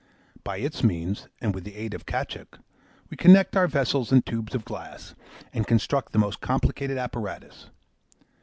By its means, and with the aid of Caoutchouc, we connect our vessels and tubes of glass, and construct the most complicated apparatus.